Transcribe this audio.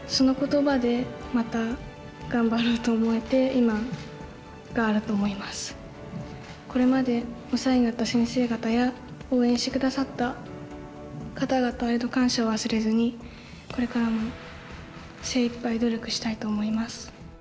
今日祝辞を頂いた謝依旻先生にはこれまでお世話になった先生方や応援して下さった方々への感謝を忘れずにこれからも精いっぱい努力したいと思います。